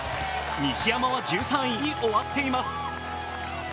西山は１３位に終わっています。